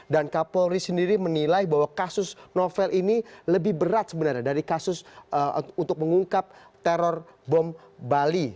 dan kapolri sendiri menilai bahwa kasus novel ini lebih berat sebenarnya dari kasus untuk mengungkap teror bom bali